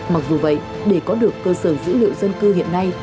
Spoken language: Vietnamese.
mặc dù vậy để có được cơ sở dữ liệu dân cư hiện nay